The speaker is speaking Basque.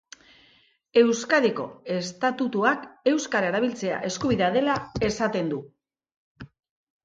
Euskadiko estatutuak euskara erabiltzea eskubidea dela esaten du.